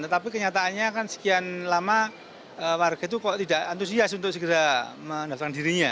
tetapi kenyataannya kan sekian lama warga itu kok tidak antusias untuk segera mendatangkan dirinya